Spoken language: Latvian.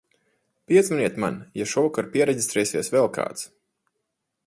Piezvaniet man, ja šovakar piereģistrēsies vēl kāds.